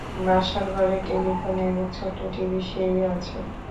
বসার ঘরে টেলিফোন এবং ছোট্ট টিভি সেট আছে।